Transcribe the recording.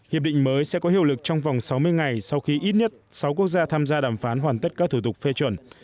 hiệp định mới sẽ có hiệu lực trong vòng sáu mươi ngày sau khi ít nhất sáu quốc gia tham gia đàm phán hoàn tất các thủ tục phê chuẩn